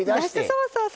そうそう。